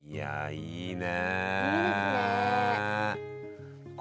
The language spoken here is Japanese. いいね。